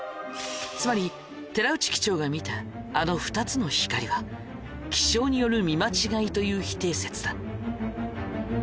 つまり寺内機長が見たあの２つの光は気象による見間違いという否定説だ。